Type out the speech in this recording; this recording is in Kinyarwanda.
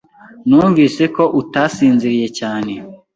Numvise ko utasinziriye cyane.